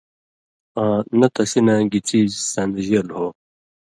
آں نہ تسِی نہ گی څیز سن٘دژېلوۡ ہو